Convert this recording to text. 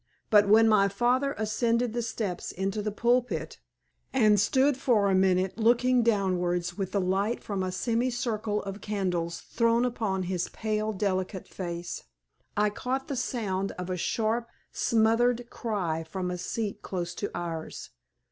But when my father ascended the steps into the pulpit, and stood for a minute looking downwards with the light from a little semi circle of candles thrown upon his pale, delicate face, I caught the sound of a sharp, smothered cry from a seat close to ours.